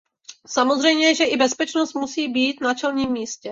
Samozřejmě že i bezpečnost musí být na čelním místě.